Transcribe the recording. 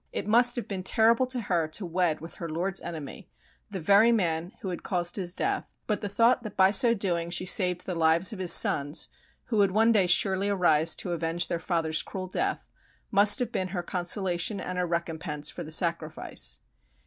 It 303 JAPAN must have been terrible to her to wed with her lord's enemy, the very man who had caused his death; but the thought that by so doing she saved the lives of his sons, who would one day surely arise to avenge their father's cruel death, must have been her consolation and her recompense for the sacrifice.